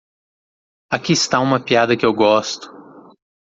Aqui está uma piada que eu gosto.